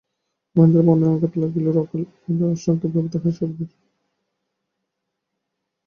মহেন্দ্রের মনে আঘাত লাগিলেও, অকালে রসভঙ্গের আশঙ্কায় ব্যাপারটা সে হাসিয়া উড়াইবার চেষ্টা করিল।